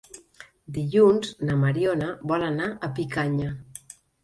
Dilluns na Mariona vol anar a Picanya.